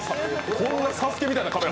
こんな「ＳＡＳＵＫＥ」みたいなカメラ。